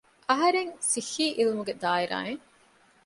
އަހަރެން ސިއްހީ އިލްމުގެ ދާއިރާއިން